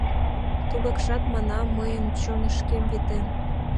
Тугакшат, манам, мыйын чонышкем витен...